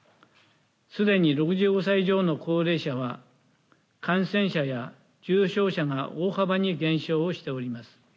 すでに６５歳以上の高齢者は感染者や重症者が大幅に減少をしております。